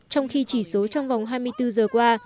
trong khi chỉ số trong vòng hai mươi bốn giờ qua